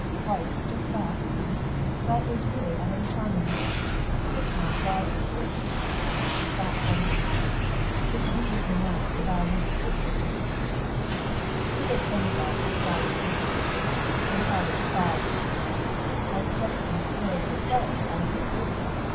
Quite; just that. That is really utterly charming. Who's the original? Why, it's " She stopped suddenly. "It's Mrs. Le Moine, the violinist," said Jane. "She's a great friend of ours," Sally interpolated, in childish pride, from behind. "I expect you've heard her play, haven't you?"